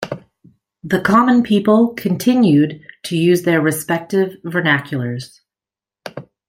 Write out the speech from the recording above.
The common people continued to use their respective vernaculars.